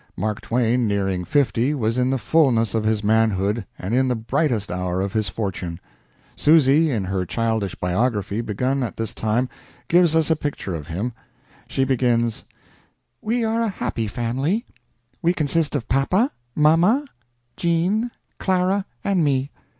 Mark Twain, nearing fifty, was in the fullness of his manhood and in the brightest hour of his fortune. Susy, in her childish "biography," begun at this time, gives us a picture of him. She begins: "We are a happy family! We consist of Papa, Mama, Jean, Clara, and me.